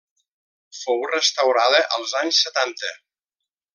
Fou restaurada als anys setanta.